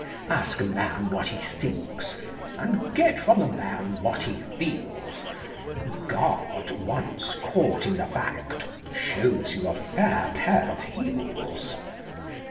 Ask a man what he thinks, and get from a man what he feels: God, once caught in the fact, shows you a fair pair of heels.